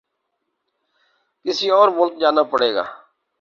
کسی اور ملک جانا پڑے گا